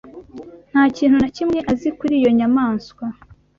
Nta kintu na kimwe azi kuri iyo nyamaswa.